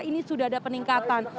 ini sudah ada peningkatan